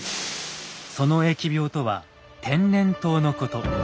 その疫病とは「天然痘」のこと。